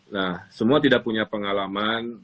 nah semua tidak punya pengalaman